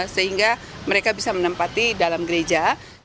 sehingga mereka bisa menempati dalam gereja